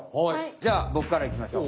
じゃあボクからいきましょう。